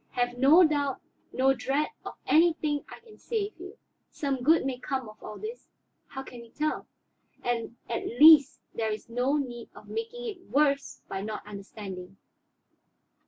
Have no doubt, no dread of anything I can save you. Some good may come of all this, how can we tell? And at least there is no need of making it worse by not understanding.